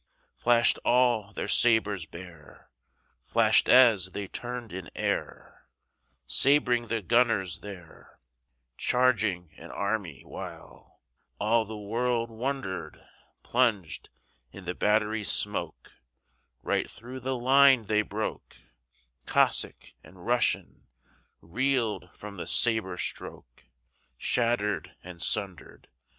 Flash'd all their sabres bare, Flash'd as they turn'd in airSabring the gunners there, Charging an army, whileAll the world wonder'd:Plunged in the battery smokeRight thro' the line they broke; Cossack and RussianReel'd from the sabre strokeShatter'd and sunder'd.